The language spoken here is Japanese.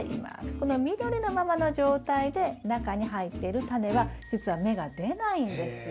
この緑のままの状態で中に入っているタネはじつは芽が出ないんですよ。